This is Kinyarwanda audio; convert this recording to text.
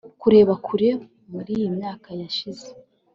kureba kure muriyi myaka yashize